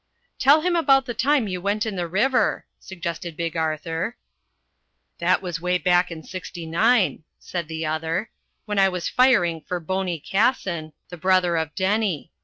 "Tell him about the time you went in the river," suggested Big Arthur. "That was 'way back in '69," said the other, "when I was firing for 'Boney' Cassin, the brother of Denny.